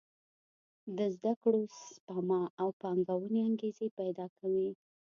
د زده کړو، سپما او پانګونې انګېزې پېدا کوي.